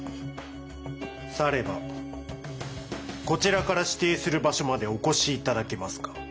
さればこちらから指定する場所までお越し頂けますか？